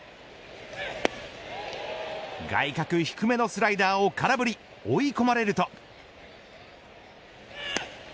外角低めのスライダーを空振り追い込まれると。